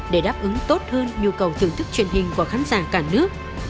để đáp ứng tốt hơn nhu cầu thưởng thức truyền hình của khán giả cả nước